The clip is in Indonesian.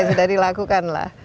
sudah dilakukan lah